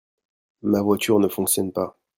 Ma voiture ne fonctionne pas.